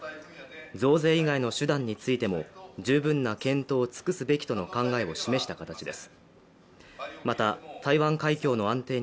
増税以外の手段についても十分な検討を尽くすべきとの考えを示した形です。